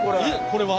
これは？